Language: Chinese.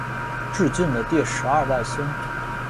挚峻的第十二代孙。